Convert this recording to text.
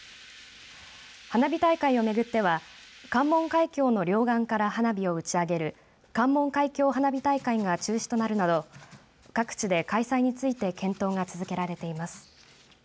花火大会をめぐっては関門海峡の両岸から花火を打ち上げる関門海峡花火大会が中止となるなど各地で開催について検討が続けられています。